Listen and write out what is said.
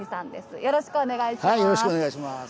よろしくお願いします。